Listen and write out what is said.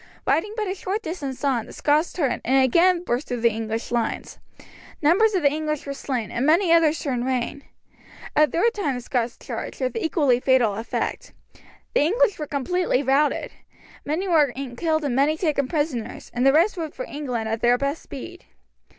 Riding but a short distance on, the Scots turned, and again burst through the English lines. Numbers of the English were slain, and many others turned rein. A third time the Scots charged, with equally fatal effect. The English were completely routed. Many were killed and many taken prisoners, and the rest rode for England at their best speed.